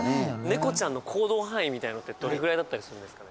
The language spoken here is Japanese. ネコちゃんの行動範囲みたいなのってどれくらいだったりするんですかね